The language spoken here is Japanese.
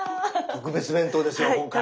特別弁当ですよ今回。